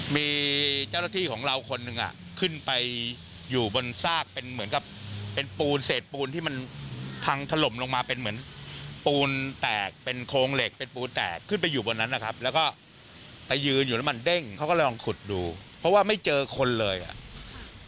มีเจ้าหน้าที่ของเราคนหนึ่งอ่ะขึ้นไปอยู่บนซากเป็นเหมือนกับเป็นปูนเศษปูนที่มันพังถล่มลงมาเป็นเหมือนปูนแตกเป็นโครงเหล็กเป็นปูนแตกขึ้นไปอยู่บนนั้นนะครับแล้วก็ไปยืนอยู่แล้วมันเด้งเขาก็เลยลองขุดดูเพราะว่าไม่เจอคนเลยอ่ะ